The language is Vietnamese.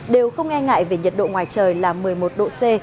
đều không nghe ngại về nhiệt độ ngoài trời là một mươi một độ c